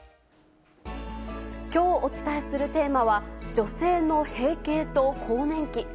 きょうお伝えするテーマは、女性の閉経と更年期。